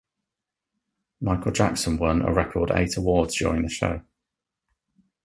Michael Jackson won a record eight awards during the show.